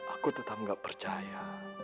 aku tetap gak percaya